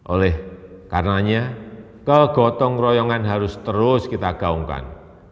oleh karenanya kegotong royongan harus terus kita gaungkan